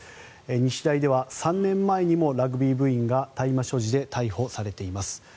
日大では３年前にもラグビー部員が大麻所持で逮捕されています。